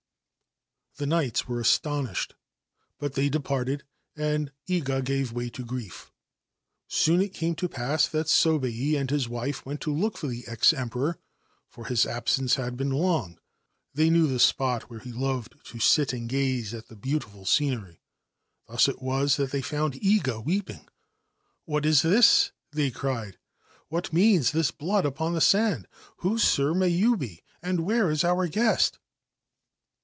The knights were astonished ; but they departed, and a. gave way to grief. Soon it came to pass that Sobei and his wife went to >k for the ex Emperor, for his absence had been long, icy knew the spot where he loved to sit and gaze at ; beautiful scenery. Thus it was that they found i weeping. ' What is this ?' they cried. ' What means this blood on the sand ? Who, sir, may you be, and where is our est